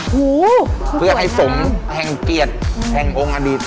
โอ้โฮเพื่อให้สมแห่งเกียรติแห่งองค์อดีต